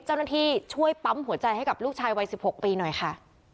เจ้าหน้าที่ช่วยปั๊มหัวใจให้กับลูกชายวัย๑๖ปีหน่อยค่ะ